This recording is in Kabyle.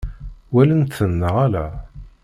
Walant-ten neɣ ala?